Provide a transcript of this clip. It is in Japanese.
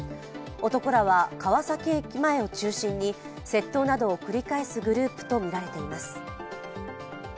男らは、川崎駅前を中心に窃盗などを繰り返すグループとみられています。